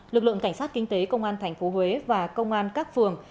lực lượng cảnh sát kinh tế công an tp huế và công an các phường